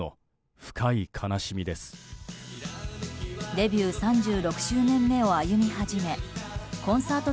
デビュー３６周年目を歩み始めコンサート